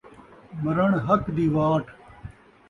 مرݨ حق دی واٹ